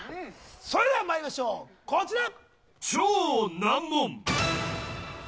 それではまいりましょうこちら。